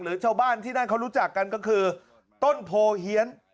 ชาวบ้านที่นั่นเขารู้จักกันก็คือต้นโพเฮียน